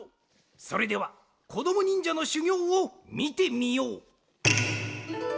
それではこどもにんじゃのしゅぎょうをみてみよう。